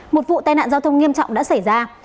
một vụ tai nạn giao thông nghiêm trọng đã xảy ra